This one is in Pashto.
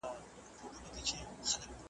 په سړو تورو شپو کي .